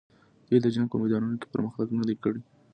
دوی د جنګ په میدانونو کې پرمختګ نه دی کړی.